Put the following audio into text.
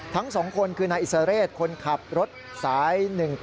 ทั้ง๒คนคือนายอิสระเรศคนขับรถสาย๑๘